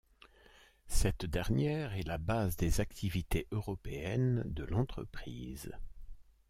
Cette dernière est la base des activités européennes de l’entreprise.